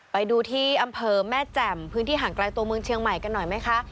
ไปดูที่อำเภอแม่แจ่มพื้นที่ห่างไกลตัวเมืองเชียงใหม่กันหน่อยไหมคะ